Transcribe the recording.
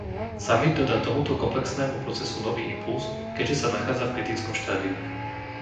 Samit dodá tomuto komplexnému procesu nový impulz, keďže sa nachádza v kritickom štádiu.